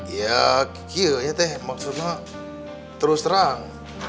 ya kayaknya teh maksudnya terus terang